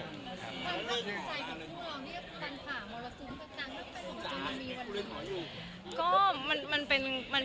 แล้วที่เป็นอะไรบ้าง